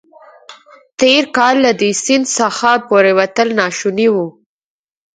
تېر کال له دې سیند څخه پورېوتل ناشوني وو.